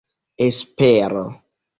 espero